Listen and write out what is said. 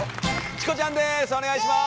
チコちゃんです